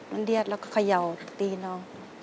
มันเรียดแล้วก็เขย่าตีน้อง